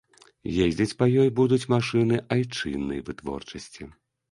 Ездзіць па ёй будуць машыны айчыннай вытворчасці.